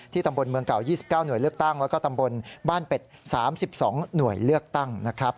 ตำบลเมืองเก่า๒๙หน่วยเลือกตั้งแล้วก็ตำบลบ้านเป็ด๓๒หน่วยเลือกตั้งนะครับ